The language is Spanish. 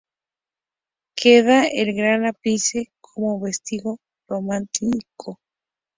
Queda el gran ábside como vestigio románico.